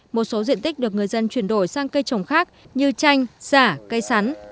một số diện tích được người dân chuyển đổi sang cây trồng khác như chanh giả cây sắn